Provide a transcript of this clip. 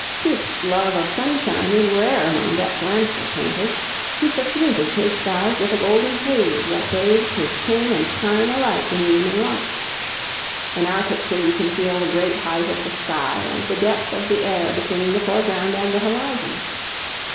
Cuyp's love of sunshine is rare among Dutch landscape painters. He suffuses his skies with a golden haze that bathes his kin and kine alike in evening light. In our picture you can feel the great height of the sky and the depth of the air between the foreground and the horizon.